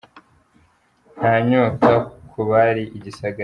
- Nta nyota ku bari i Gisagara….